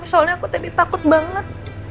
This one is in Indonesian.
soalnya aku tadi takut banget